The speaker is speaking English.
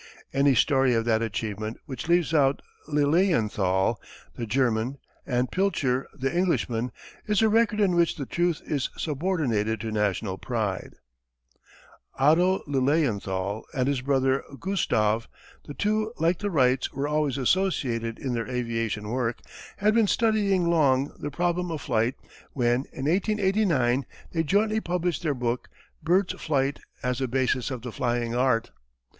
Any story of that achievement which leaves out Lilienthal, the German, and Pilcher, the Englishman, is a record in which the truth is subordinated to national pride. [Illustration: Langley's Airplane.] Otto Lilienthal and his brother Gustav the two like the Wrights were always associated in their aviation work had been studying long the problem of flight when in 1889 they jointly published their book Bird Flight as the Basis of the Flying Art.